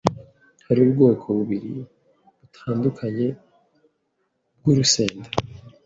Hariho ubwoko bubiri butandukanye bwurusenda